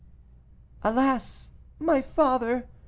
"Alas! my father!"